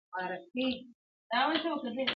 تم سه چي مسکا ته دي نغمې د بلبل واغوندم,